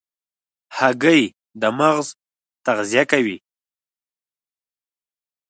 هګۍ د مغز تغذیه کوي.